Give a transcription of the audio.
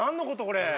これ。